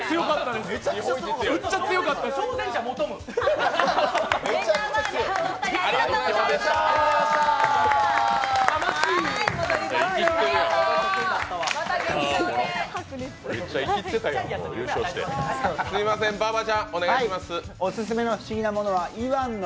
めっちゃ強かったですよ。